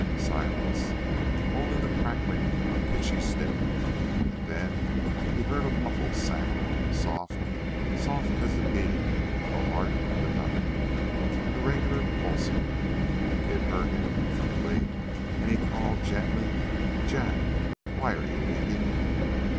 Silence only the crackling of a pitchy stick. And then he heard a muffled sound, soft, soft as the beating of a heart in the night, and regularly pulsing. It hurt him infinitely, and he called gently: "Jack, why are you weeping?"